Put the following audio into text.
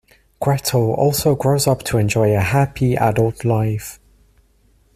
Gretel also grows up to enjoy a happy adult life.